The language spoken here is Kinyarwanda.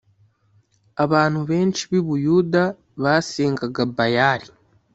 Abantu benshi bi Buyuda basenganga bayali